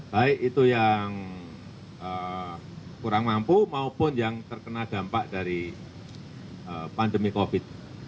baik itu yang kurang mampu maupun yang terkena dampak dari pandemi covid